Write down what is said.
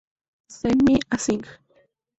Send me a sign